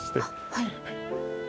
はい。